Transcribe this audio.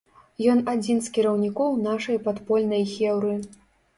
Ён адзін з кіраўнікоў нашай падпольнай хеўры.